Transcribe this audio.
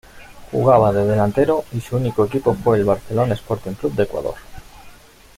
Jugaba de delantero y su único equipo fue el Barcelona Sporting Club de Ecuador.